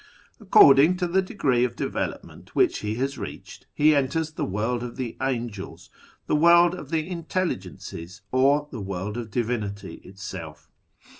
According to the degree of development which he has reached, he enters the World of the Angels, the World of the Intelli gences, or the AVorld of Divinity itself.